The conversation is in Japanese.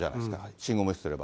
信号無視すれば。